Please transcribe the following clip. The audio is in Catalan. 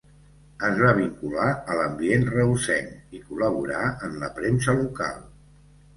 Es va vincular a l'ambient reusenc i col·laborà en la premsa local.